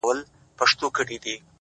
زريني کرښي د لاهور په لمر لويده کي نسته’